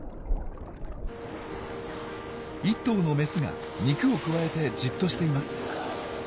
１頭のメスが肉をくわえてじっとしています。